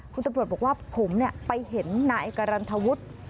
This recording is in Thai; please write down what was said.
คุณตำรวจบอกว่าผมไปเห็นนายการันทวุฒิ